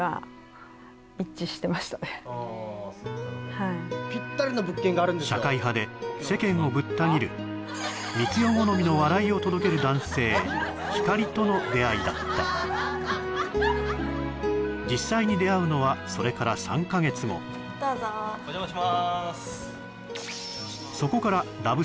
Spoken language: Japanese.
はい社会派で世間をブッタ切る光代好みの笑いを届ける男性光との出会いだった実際に出会うのはそれから３か月後どうぞお邪魔します